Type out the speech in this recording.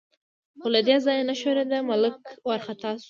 خو له دې ځایه نه ښورېده، ملک وارخطا شو.